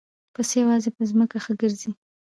پسه یوازې په ځمکه ښه ګرځي.